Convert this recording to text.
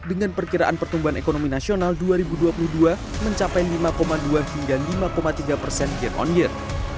dengan perkiraan pertumbuhan ekonomi nasional dua ribu dua puluh dua mencapai lima dua hingga lima tiga persen year on year